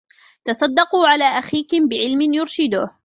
تَصَدَّقُوا عَلَى أَخِيكُمْ بِعِلْمٍ يُرْشِدُهُ